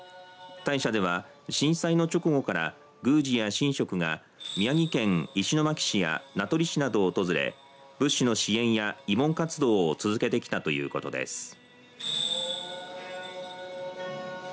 大社では震災の直後から宮司や神職が宮城県石巻市や名取市などを訪れ物資の支援や慰問活動を続けてきたということです。